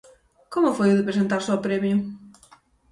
Como foi o de presentarse ao premio?